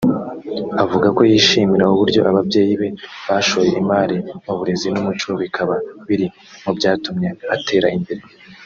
Avuga ko yishimira uburyo ababyeyi be bashoye imari mu burezi n’umuco bikaba biri mu byatumye atera imbere